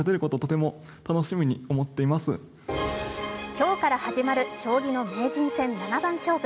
今日から始まる将棋の名人戦、七番勝負。